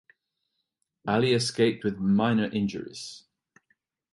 Ali escaped with minor injuries.